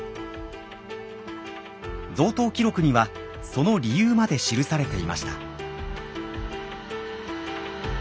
贈答記録にはその理由まで記されていました。